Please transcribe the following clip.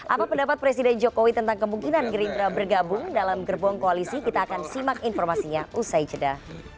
apa pendapat presiden jokowi tentang kemungkinan gerindra bergabung dalam gerbong koalisi kita akan simak informasinya usai jeda